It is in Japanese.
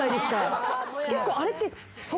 結構あれって。